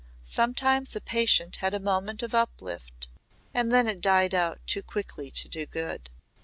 Sometimes a patient had a moment of uplift and then it died out too quickly to do good.